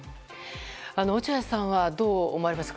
落合さんはどう思われますか？